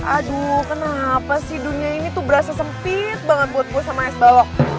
aduh kenapa sih dunia ini tuh berasa sempit banget buat gue sama es balog